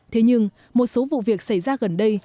thế nhưng một số vụ việc xảy ra gần đây